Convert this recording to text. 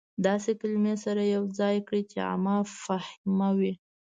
داسې کلمې سره يو ځاى کړى چې عام فهمه وي.